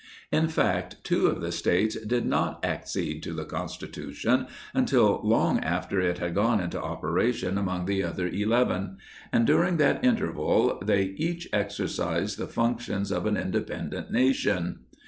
In fact, two of the States did not accede to the Constitution until long after it had gone into operation among the other eleven ; and during that interval, they each exercised the functions of an independ ent nation.